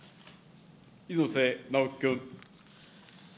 猪瀬直樹君。